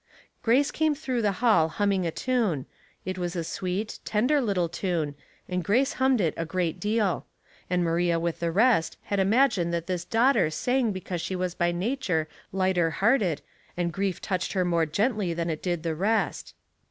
Grace came through the hall humming a tune. It was a sweet, tender little tune, and Grace hummed it a great deal ; and Maria with the rest had imagined that this daughter sang because she was by nature lighter hearted, and grief touched her more gently than it did the rest.